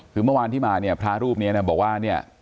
คือเมื่อวานที่มาเนี่ยพระรูปนี้นะบอกว่าเนี่ย